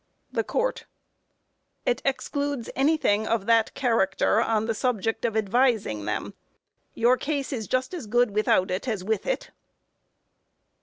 THE COURT: It excludes anything of that character on the subject of advising them. Your case is just as good without it as with it.